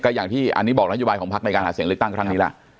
อย่างที่อันนี้บอกนโยบายของพักในการหาเสียงเลือกตั้งครั้งนี้ล่ะ